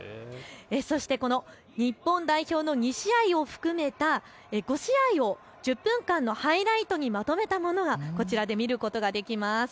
そしてこの日本代表の２試合を含めた５試合を１０分間のハイライトにまとめたものがこちらで見ることができます。